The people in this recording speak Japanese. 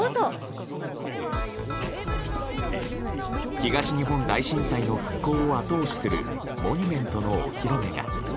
東日本大震災の復興を後押しするモニュメントのお披露目が。